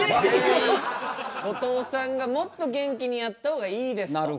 後藤さんがもっと元気にやった方がいいですと。